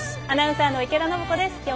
アナウンサーの池田伸子です。